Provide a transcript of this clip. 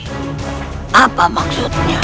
kanda akan mempercepat